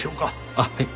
あっはい。